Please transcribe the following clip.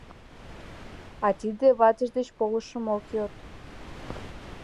А тиде ватыж деч полышым ок йод.